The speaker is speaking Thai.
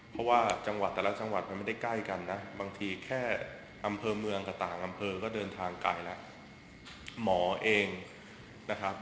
เพราะว่าจังหวัดแต่ละจังหวัดมันไม่ได้ใกล้กันบางทีแค่อำเภอเมืองกับอำเภอก็เดินทางไกลแล้ว